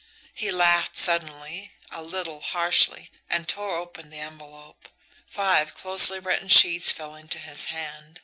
He laughed suddenly, a little harshly, and tore open the envelope. Five closely written sheets fell into his hand.